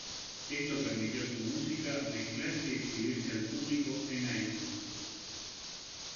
Esto permitió a su música mezclarse y exhibirse al público en Itunes.